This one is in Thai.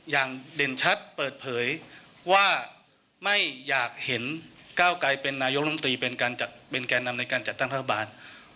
อย่างเด่นชัดเปิดเผยว่าไม่อยากเห็นเก้าไกรเป็นนายกรมตรีเป็นแก่นำในการจัดตั้งพระบาท